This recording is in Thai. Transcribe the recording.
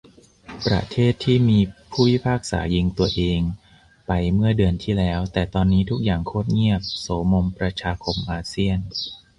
ประเทศที่มี ผู้พิพากษายิงตัวเอง ไปเมื่อเดือนที่แล้ว แต่ตอนนี้ทุกอย่างโคตรเงียบ โสมมประชาคมอาเซียน